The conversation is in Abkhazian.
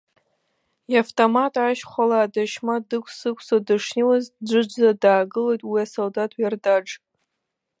Иавтомат ашьхәала адашьма дықәс-ықәсуа дышнеиуаз дџыџӡа даагылеит уи асолдаҭ ҩардаџ.